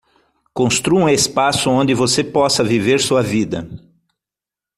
Construa um espaço onde você possa viver sua vida